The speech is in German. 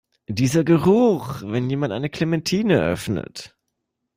Dieser Geruch, wenn jemand eine Clementine öffnet!